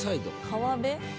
川辺？